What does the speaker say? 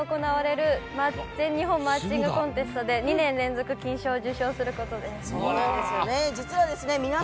１１月２０日に行われる「全日本マーチングコンテスト」で２年連続で金賞を受賞することです。